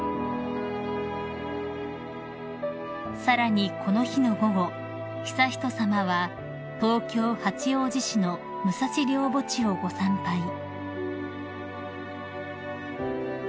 ［さらにこの日の午後悠仁さまは東京八王子市の武蔵陵墓地をご参拝］